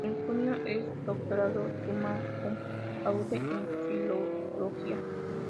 En junio es doctorado summa cum laude en filología.